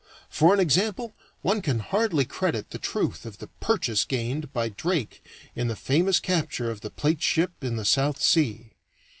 For an example, one can hardly credit the truth of the "purchase" gained by Drake in the famous capture of the plate ship in the South Sea.